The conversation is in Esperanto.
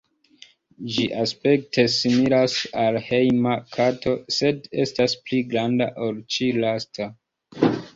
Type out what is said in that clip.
Ĝi aspekte similas al hejma kato, sed estas pli granda ol ĉi-lasta.